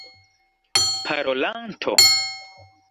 parolanto